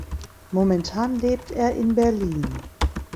Momentan lebt er in Berlin.